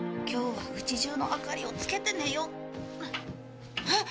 今日は家中の明かりをつけて寝よう。